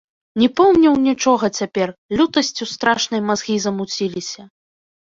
Не помніў нічога цяпер, лютасцю страшнай мазгі замуціліся.